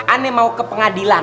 ane mau ke pengadilan